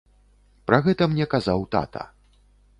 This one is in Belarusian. Пра гэта мне казаў тата.